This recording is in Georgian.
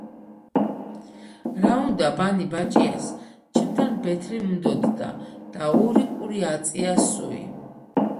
რა უნდა ბანი ბაჭიას? ჩემთან ბეთლი უნდოდდა და ორი ყური აწია სუიიიიი